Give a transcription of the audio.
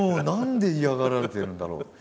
「何で嫌がられてるんだろう？」。